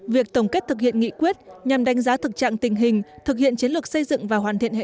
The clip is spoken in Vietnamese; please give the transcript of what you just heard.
việc tổng kết thực hiện nghị quyết nhằm đánh giá thực trạng tình hình thực hiện chiến lược xây dựng và hoàn thiện hệ thống